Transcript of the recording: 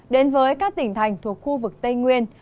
đến với các tỉnh thành thuộc khu vực tây nguyên